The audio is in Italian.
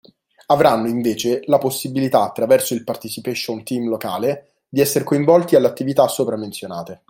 Avranno, invece, la possibilità, attraverso il participation team locale, di esser coinvolti alle attività sopra menzionate.